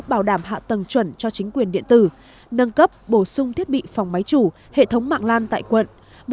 bảo đảm hạ tầng chuẩn cho chính quyền điện tử nâng cấp bổ sung thiết bị phòng máy chủ hệ thống mạng lan tại quận